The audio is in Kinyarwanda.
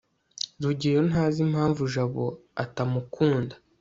rugeyo ntazi impamvu jabo atamukunda